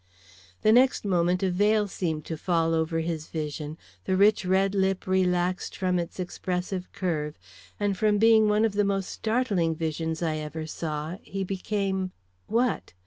The next moment a veil seemed to fall over his vision, the rich red lip relaxed from its expressive curve, and from being one of the most startling visions I ever saw, he became what?